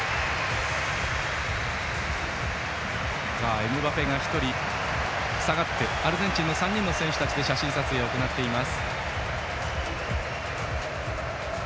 エムバペが１人、下がってアルゼンチンの３人の選手たちで写真撮影を行っています。